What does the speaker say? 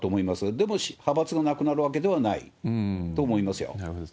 でも、派閥がなくなるわけではないと思いますよ。